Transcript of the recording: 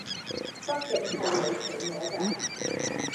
北極係冇企鵝架